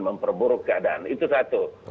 memperburuk keadaan itu satu